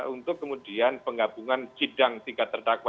untuk kemudian penggabungan sidang tingkat terdakwa